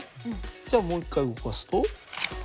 じゃあもう一回動かすと。